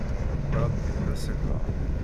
Brad Pitt d asegbar.